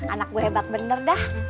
anak gue hebat bener dah